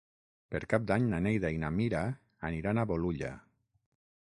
Per Cap d'Any na Neida i na Mira aniran a Bolulla.